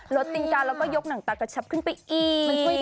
สติงการแล้วก็ยกหนังตากระชับขึ้นไปอีก